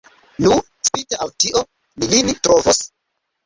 Nu, spite al tio, ni lin trovos.